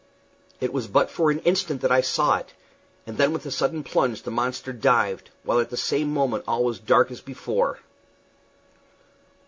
It was but for an instant that I saw it, and then with a sudden plunge the monster dived, while at the same moment all was as dark as before.